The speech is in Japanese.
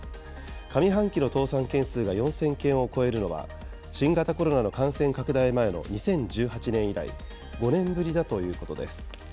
上半期の倒産件数が４０００件を超えるのは、新型コロナの感染拡大前の２０１８年以来、５年ぶりだということです。